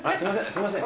すみません。